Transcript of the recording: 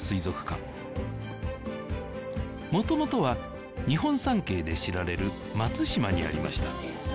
元々は日本三景で知られる松島にありました